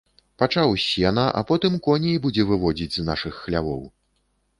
Пачаў з сена, а потым коней будзе выводзіць з нашых хлявоў.